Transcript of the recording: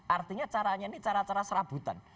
artinya caranya ini cara cara serabutan